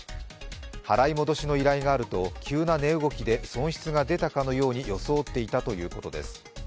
払い戻しの依頼があると、急な値動きで損失が出たかのように装っていたということです。